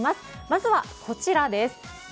まずはこちらです。